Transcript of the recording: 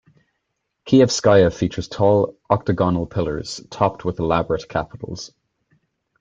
Kiyevskaya features tall, octagonal pillars topped with elaborate capitals.